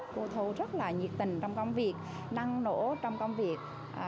cô thu rất là nhiệt tình trong công việc năng nổ trong công việc